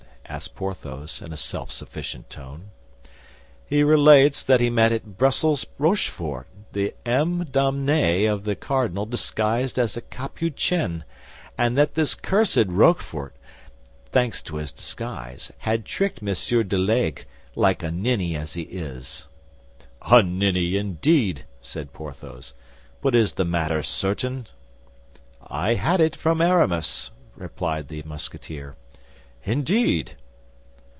asked Porthos, in a self sufficient tone. "He relates that he met at Brussels Rochefort, the âme damnée of the cardinal disguised as a Capuchin, and that this cursed Rochefort, thanks to his disguise, had tricked Monsieur de Laigues, like a ninny as he is." "A ninny, indeed!" said Porthos; "but is the matter certain?" "I had it from Aramis," replied the Musketeer. "Indeed?"